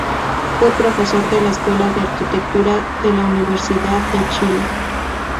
Fue profesor de la Escuela de Arquitectura de la Universidad de Chile.